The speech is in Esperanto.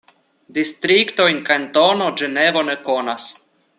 Distriktojn Kantono Ĝenevo ne konas.